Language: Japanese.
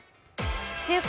「週刊！